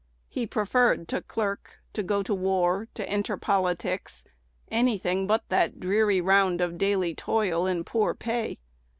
He preferred to clerk, to go to war, to enter politics, any thing but that dreary round of daily toil and poor pay.